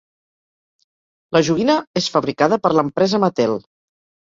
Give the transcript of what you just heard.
La joguina és fabricada per l'empresa Mattel.